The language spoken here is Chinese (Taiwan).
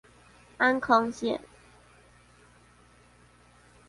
安坑線